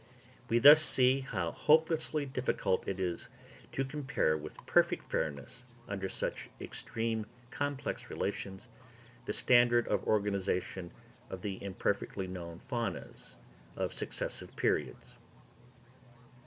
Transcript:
We thus see how hopelessly difficult it is to compare with perfect fairness, under such extremely complex relations, the standard of organisation of the imperfectly known faunas of successive periods.